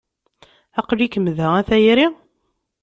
Aql-ikem da a tayri?